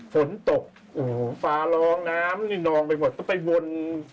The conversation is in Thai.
ฝนตกฟาลองน้ำนี่นองไปหมดต้องไปวน